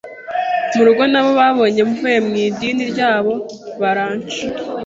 mu rugo nabo babonye mvuye mu idini ryabo barranca